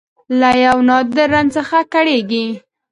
له یو نادر رنځ څخه کړېږي